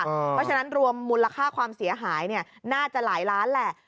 เพราะฉะนั้นรวมมูลค่าความเสียหายน่าจะหลายล้านแหละ